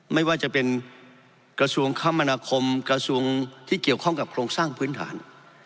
ไม่ว่าจะเป็นกระทรวงคมนาคมกระทรวงที่เกี่ยวข้องกับโครงสร้างพื้นฐาน